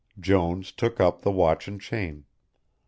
Jones took up the watch and chain.